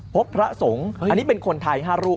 พระสงฆ์อันนี้เป็นคนไทย๕รูป